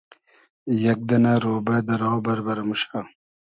یئگ دئنۂ رۉبۂ دۂ را بئربئر موشۂ